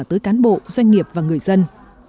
tới cán bộ doanh nghiệp và người dân